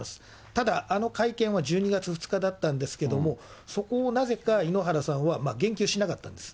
ただ、あの会見は１２月２日だったんですけど、そこをなぜか井ノ原さんは言及しなかったんです。